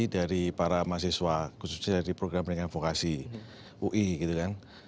dari para mahasiswa khususnya dari program pendidikan vokasi ui gitu kan